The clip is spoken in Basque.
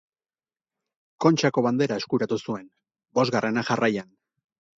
Kontxako Bandera eskuratu zuen, bosgarrena jarraian.